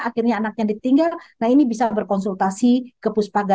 akhirnya anaknya ditinggal nah ini bisa berkonsultasi ke puspaga